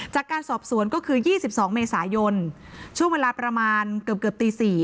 จากการสอบสวนก็คือยี่สิบสองเมษายนช่วงเวลาประมาณเกือบเกือบตีสี่